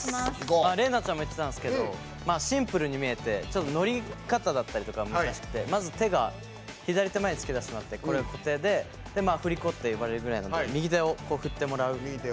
ＲｅｉＮａさんも言っていたんですけどシンプルに見えてちょっとノリ方だったりとかが難しくてまず手が左手前に突き出してもらって固定で振り子って呼ばれるくらいなんで右手を振ってもらって。